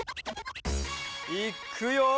いっくよ！